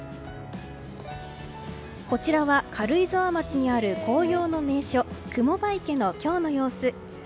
こちらは軽井沢町にある紅葉の名所雲場池の今日の様子。